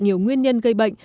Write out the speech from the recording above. nhiều nguyên nhân gây bệnh